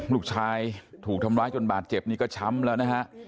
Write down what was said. ลูกชายถูกทำร้ายจนบาดเจ็บนี่ก็ช้ำแล้วนะฮะ